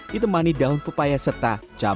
ditemani daun pepaya serta cabai